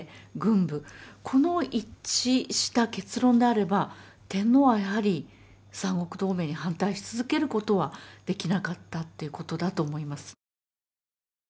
この一致した結論であれば天皇はやはり三国同盟に反対し続けることはできなかったっていうことだと思います。